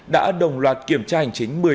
đã đồng loạt kiểm tra hành chính